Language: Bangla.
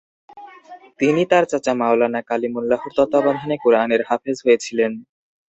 তিনি তার চাচা মাওলানা কালিমুল্লাহর তত্ত্বাবধানে কুরআনের হাফেজ হয়েছিলেন।